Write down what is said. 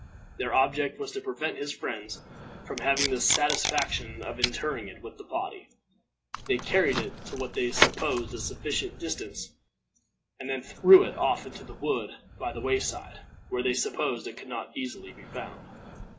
Their object was to prevent his friends from having the satisfaction of interring it with the body. They carried it to what they supposed a sufficient distance, and then threw it off into a wood by the way side, where they supposed it could not easily be found.